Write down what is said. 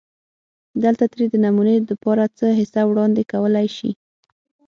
دلته ترې دنمونې دپاره څۀ حصه وړاندې کولی شي